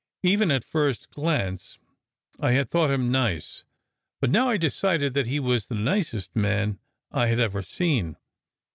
Even at first glance I 14 SECRET HISTORY had thought him nice, but now I decided that he was the nicest man I had ever seen.